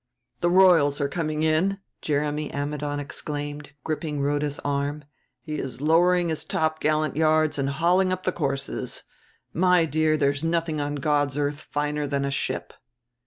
"The royals are coming in!" Jeremy Ammidon exclaimed, gripping Rhoda's arm. "He is lowering his top gallant yards and hauling up the courses! My dear, there's nothing on God's earth finer than a ship."